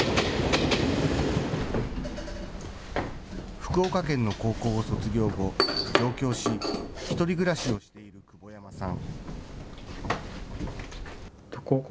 福岡県の高校を卒業後、上京し１人暮らしをしている久保山さん。